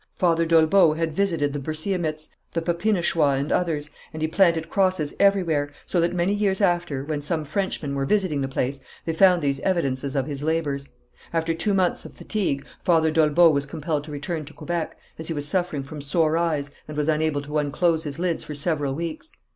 Father d'Olbeau had visited the Bersiamites, the Papinachois and others, and he planted crosses everywhere, so that many years after, when some Frenchmen were visiting the place, they found these evidences of his labours. After two months of fatigue, Father d'Olbeau was compelled to return to Quebec, as he was suffering from sore eyes, and was unable to unclose his eyelids for several weeks.